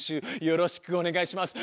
よろしくお願いします。